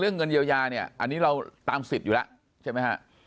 เงินเยียวยาเนี่ยอันนี้เราตามสิทธิ์อยู่แล้วใช่ไหมฮะ